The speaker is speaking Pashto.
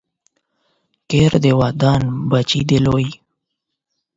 کور دې ودان، بچی دې لوی